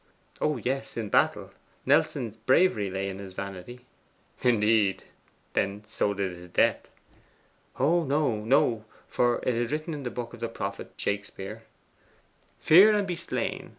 'Oh yes, in battle! Nelson's bravery lay in his vanity.' 'Indeed! Then so did his death.' Oh no, no! For it is written in the book of the prophet Shakespeare "Fear and be slain?